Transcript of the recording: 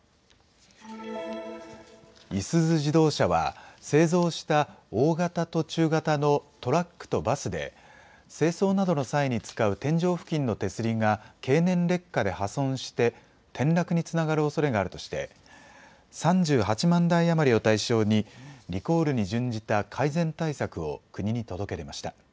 いすゞ自動車は製造した大型と中型のトラックとバスで清掃などの際に使う天井付近の手すりが経年劣化で破損して転落につながるおそれがあるとして３８万台余りを対象にリコールに準じた改善対策を国に届け出ました。